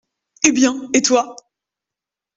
Eh bien ! et toi ?